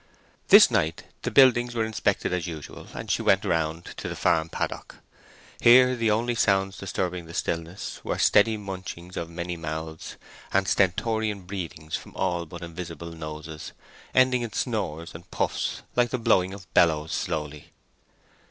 This night the buildings were inspected as usual, and she went round to the farm paddock. Here the only sounds disturbing the stillness were steady munchings of many mouths, and stentorian breathings from all but invisible noses, ending in snores and puffs like the blowing of bellows slowly.